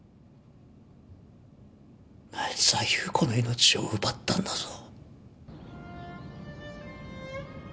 あいつは優子の命を奪ったんだぞ。